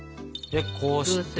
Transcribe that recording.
でこうして。